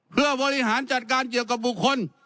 เพื่อบริหารจัดการเกี่ยวกับบุคคล